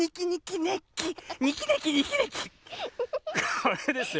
これですよ。